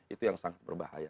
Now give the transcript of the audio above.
itu yang sangat berbahaya